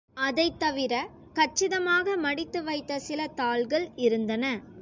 அதைத் தவிர, கச்சிதமாக மடித்துவைத்த சில தாள்கள் இருந்தன.